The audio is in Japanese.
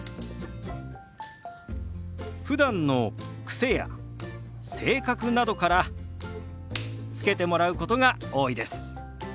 ふだんの癖や性格などから付けてもらうことが多いです。